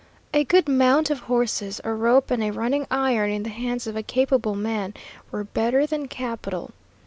A good mount of horses, a rope and a running iron in the hands of a capable man, were better than capital.